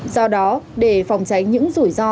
do đó để phòng tránh những rủi ro